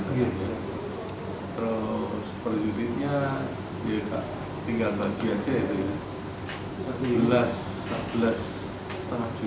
terus per unitnya tinggal bagi aja itu ya